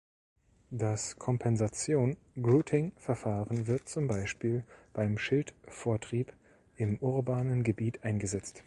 Das Compensation-Grouting-Verfahren wird zum Beispiel beim Schildvortrieb in urbanem Gebiet eingesetzt.